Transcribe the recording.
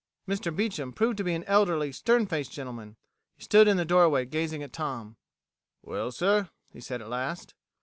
Mr. Beecham proved to be an elderly, stern faced gentleman. He stood in the doorway gazing at Tom. "Well, sir," he said at last.